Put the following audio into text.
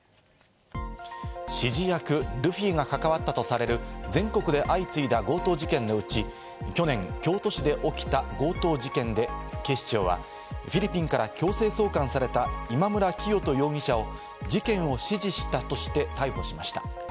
指示役ルフィが関わったとされる全国で相次いだ強盗事件のうち、去年、京都市で起きた強盗事件で、警視庁はフィリピンから強制送還された今村磨人容疑者を事件を指示したとして逮捕しました。